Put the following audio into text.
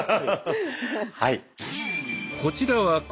はい。